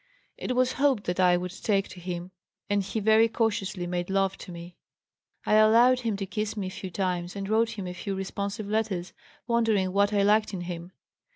It was hoped that I would take to him and he very cautiously made love to me. I allowed him to kiss me a few times and wrote him a few responsive letters, wondering what I liked in him.